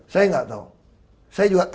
saya gak tau saya juga kaget